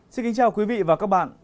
xin kính chào quý vị và các bạn